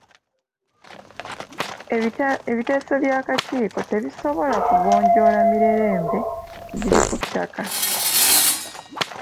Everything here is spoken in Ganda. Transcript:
Ebiteeso by'akakiiko tebisobola kugonjoola mirerembe giri ku ttaka.